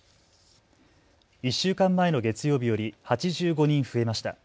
１週間前の月曜日より８５人増えました。